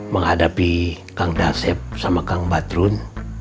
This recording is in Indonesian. menghadapi kang dasyep sama kang batrun